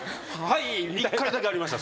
１回だけありました